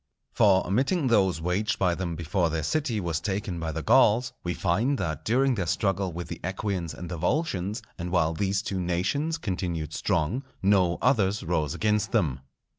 For, omitting those waged by them before their city was taken by the Gauls, we find that during their struggle with the Equians and the Volscians, and while these two nations continued strong, no others rose against them.